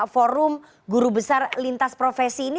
forum guru besar lintas profesi ini